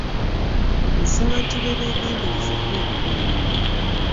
Nsaba tube beegendereza nnyo ku mwana oyo.